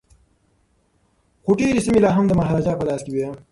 خو ډیري سیمي لا هم د مهاراجا په لاس کي وې.